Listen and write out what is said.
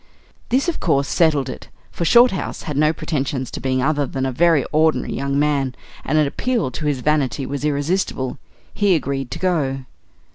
This, of course, settled it, for Shorthouse had no pretensions to being other than a very ordinary young man, and an appeal to his vanity was irresistible. He agreed to go.